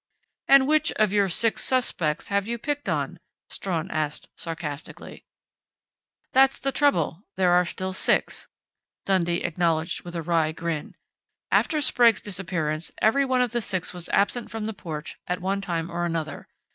"And which one of your six suspects have you picked on?" Strawn asked sarcastically. "That's just the trouble. There are still six," Dundee acknowledged with a wry grin. "After Sprague's disappearance, every one of the six was absent from the porch at one time or another....